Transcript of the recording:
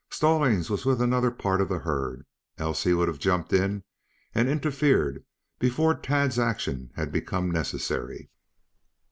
Stallings was with another part of the herd, else he would have jumped in and interfered before Tad's action had become necessary.